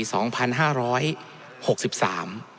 สองพันห้าร้อยหกสิบสาม